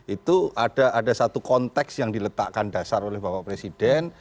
itu ada satu konteks yang diletakkan dasar oleh bapak presiden